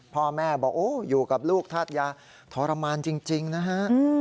พ่อแม่บอกโอ้อยู่กับลูกธาตุยาทรมานจริงนะฮะ